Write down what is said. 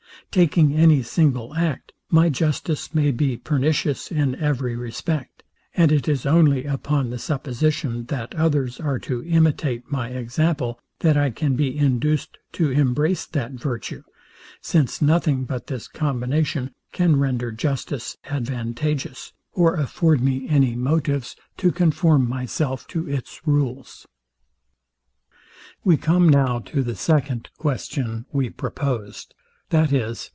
Taking any single act, my justice may be pernicious in every respect; and it is only upon the supposition that others are to imitate my example, that I can be induced to embrace that virtue; since nothing but this combination can render justice advantageous, or afford me any motives to conform my self to its rules. We come now to the second question we proposed, viz.